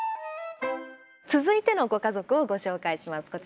続いてのご家族をご紹介します。